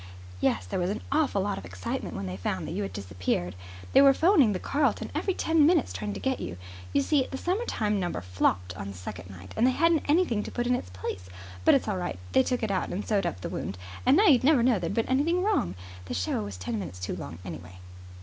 "Yes, there was an awful lot of excitement when they found that you had disappeared. They were phoning the Carlton every ten minutes trying to get you. You see, the summertime number flopped on the second night, and they hadn't anything to put in its place. But it's all right. They took it out and sewed up the wound, and now you'd never know there had been anything wrong. The show was ten minutes too long, anyway."